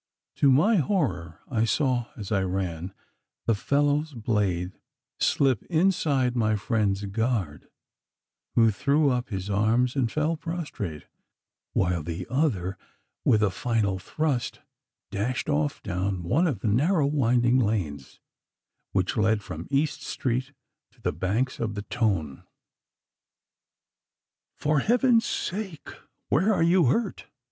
To my horror I saw, as I ran, the fellow's blade slip inside my friend's guard, who threw up his arms and fell prostrate, while the other with a final thrust dashed off down one of the narrow winding lanes which lead from East Street to the banks of the Tone. 'For Heaven's sake where are you hurt?